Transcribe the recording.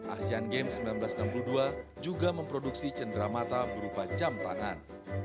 asean games seribu sembilan ratus enam puluh dua juga memproduksi cenderamata berupa jam tangan